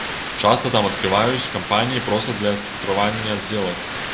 Часта там адкрываюць кампаніі проста для структуравання здзелак.